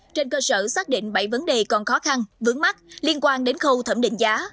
trên cơ sở xác định bảy vấn đề còn khó khăn vướng mắt liên quan đến khâu thẩm định giá